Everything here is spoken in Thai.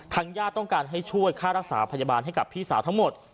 ญาติต้องการให้ช่วยค่ารักษาพยาบาลให้กับพี่สาวทั้งหมด